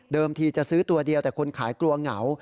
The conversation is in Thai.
ทีจะซื้อตัวเดียวแต่คนขายกลัวเหงา